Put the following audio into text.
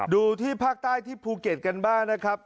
ดูที่ภาคใต้ที่ภูเก็ตกันบ้างนะครับ